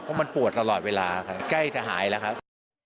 เพราะมันปวดตลอดเวลาใจเท่าถ้ายละครับ